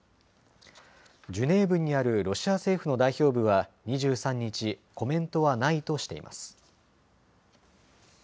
ジュネーブにあるロシア政府の代表部は２３日コメントはないとしています。